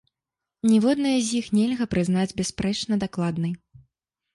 Ніводную з іх нельга прызнаць бясспрэчна дакладнай.